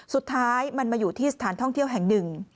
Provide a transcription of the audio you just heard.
สุดท้ายมันมาอยู่ที่สถานท่องเที่ยวแห่งหนึ่ง